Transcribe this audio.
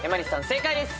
正解です。